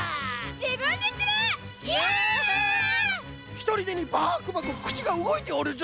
ひとりでにバクバクくちがうごいておるぞ！